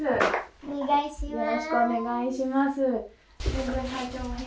お願いします。